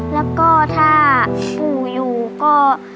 แล้วก็ถ้าปู่อยู่ก็